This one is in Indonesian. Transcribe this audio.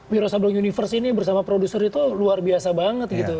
wiro sabling universe ini bersama produser itu luar biasa banget gitu